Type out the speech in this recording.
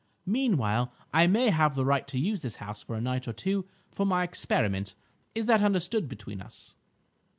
Meanwhile I may have the right to use this house for a night or two for my experiment. Is that understood between us?"